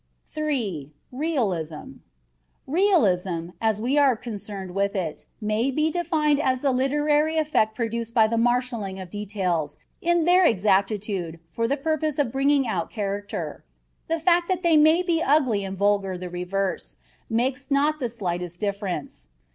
III REALISM. Realism, as we are concerned with it, may be defined as the literary effect produced by the marshaling of details in their exactitude for the purpose of bringing out character. The fact that they may be ugly and vulgar, or the reverse, makes not the slightest difference.